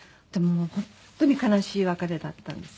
本当に悲しい別れだったんですね。